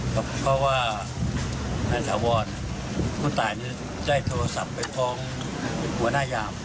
เพราะว่านักฐาวรคุณตายนี้ได้โทรศัพท์ไปของหัวหน้าย่าม